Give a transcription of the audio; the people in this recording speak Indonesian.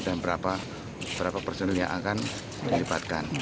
dan berapa personilnya akan dilipatkan